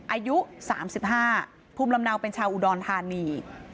อายุ๓๕ภูมิลำเนาเป็นชาวอุดรธานี